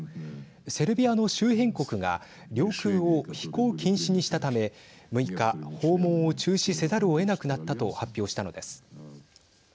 セルビアの周辺国が領空を飛行禁止にしたため６日、訪問を中止せざるをえなくなったと発表したのです。